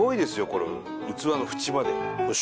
これ器の縁まで。